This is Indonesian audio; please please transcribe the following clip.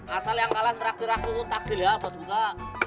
asal yang kalah traktir aku tak silahkan